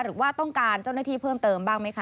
หรือว่าต้องการเจ้าหน้าที่เพิ่มเติมบ้างไหมคะ